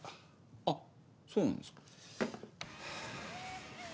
あっそうなんですか。ハァ。